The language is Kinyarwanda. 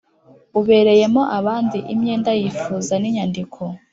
Ubereyemo abandi imyenda yifuza n inyandiko